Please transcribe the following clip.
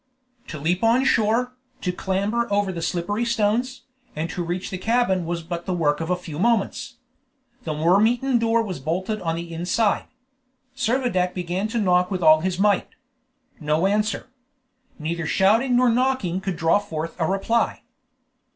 To leap on shore, to clamber over the slippery stones, and to reach the cabin was but the work of a few moments. The worm eaten door was bolted on the inside. Servadac began to knock with all his might. No answer. Neither shouting nor knocking could draw forth a reply.